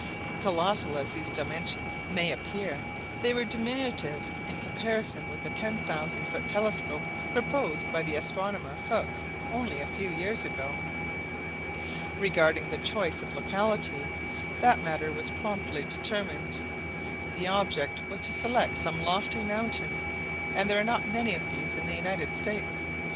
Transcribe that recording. Colossal as these dimensions may appear, they were diminutive in comparison with the 10,000 foot telescope proposed by the astronomer Hooke only a few years ago! Regarding the choice of locality, that matter was promptly determined. The object was to select some lofty mountain, and there are not many of these in the United States.